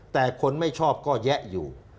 แต่คนไม่ชอบก็แยะอยู่